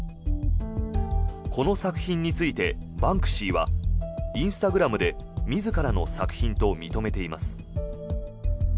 この作品についてバンクシーはインスタグラムで自らの作品と認めています。